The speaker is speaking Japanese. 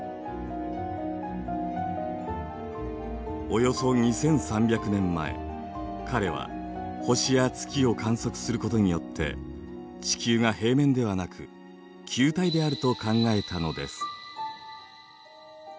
およそ２，３００年前彼は星や月を観測することよって地球が平面ではなく球体であると考えたのです。